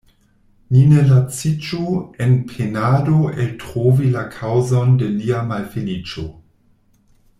Ni ne laciĝu en penado eltrovi la kaŭzon de lia malfeliĉo.